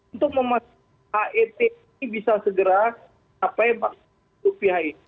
untuk memastikan aet ini bisa segera sampai rp empat belas